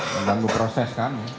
mengganggu proses kami